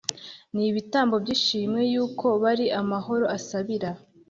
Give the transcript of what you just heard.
n ibitambo by ishimwe yuko bari amahoro asabira